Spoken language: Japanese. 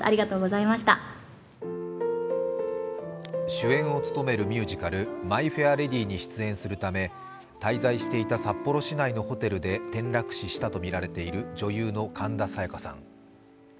主演を務めるミュージカル「マイ・フェア・レディ」に出演するため滞在していた札幌市内のホテルで転落死したとみられている女優の神田沙也加さん。